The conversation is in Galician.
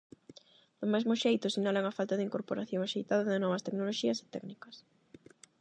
Do mesmo xeito, sinalan a falta de incorporación axeitada de novas tecnoloxías e técnicas.